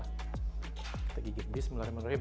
kita gigit bis mulai mengerim